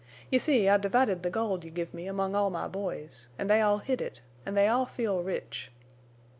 You see, I divided the gold you give me among all my boys, an' they all hid it, en' they all feel rich.